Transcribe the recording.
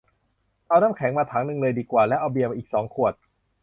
เอาน้ำแข็งมาถังนึงเลยดีกว่า แล้วเอาเบียร์อีกสองขวด